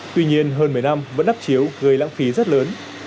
tuy nhiên hơn một mươi năm vẫn đắp chiếu gây lãng phí rất lớn